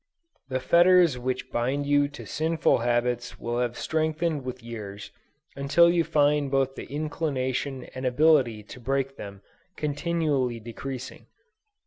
The fetters which bind you to sinful habits will have strengthened with years until you find both the inclination and ability to break them continually decreasing.